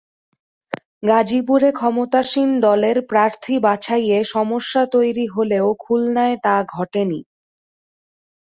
গাজীপুরে ক্ষমতাসীন দলের প্রার্থী বাছাইয়ে সমস্যা তৈরি হলেও খুলনায় তা ঘটেনি।